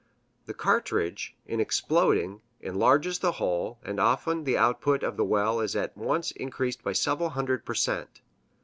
The cartridge, in exploding, enlarges the hole, and often the output of the well is at once increased by several hundred per cent.